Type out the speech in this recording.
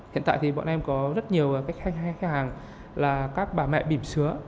hiện tại thì bọn em có rất nhiều khách hàng là các bà mẹ bìm sứa